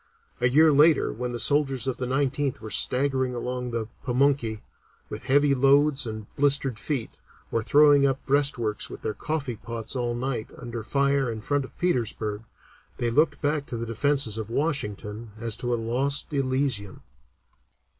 A year later, when the soldiers of the Nineteenth were staggering along the Pamunkey, with heavy loads and blistered feet, or throwing up breastworks with their coffee pots all night under fire in front of Petersburg, they looked back to the Defences of Washington as to a lost Elysium."